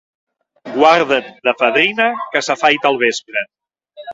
Guarda't de fadrina que s'afaita al vespre.